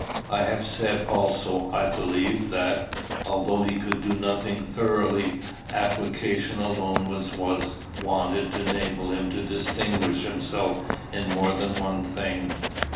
I have said also, I believe, that, although he could do nothing thoroughly, application alone was wanted to enable him to distinguish himself in more than one thing.